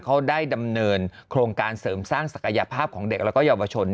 เขาได้ดำเนินโครงการเสริมสร้างศักยภาพของเด็กและเยาวชน